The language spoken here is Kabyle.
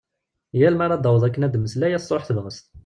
Yal mi ara d-taweḍ akken ad d-temmeslay as-truḥ tebɣest.